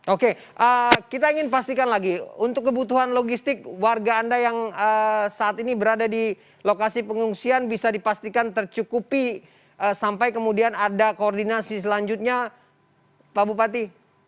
oke kita ingin pastikan lagi untuk kebutuhan logistik warga anda yang saat ini berada di lokasi pengungsian bisa dipastikan tercukupi sampai kemudian ada koordinasi selanjutnya pak bupati